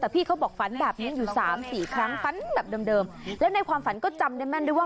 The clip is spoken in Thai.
แต่พี่เขาบอกฝันแบบนี้อยู่สามสี่ครั้งฝันแบบเดิมแล้วในความฝันก็จำได้แม่นด้วยว่า